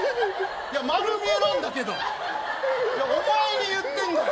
いや丸見えなんだけどいやお前に言ってんだよ！